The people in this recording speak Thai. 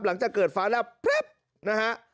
หลังจากเกิดฟ้าแลบนะฮะ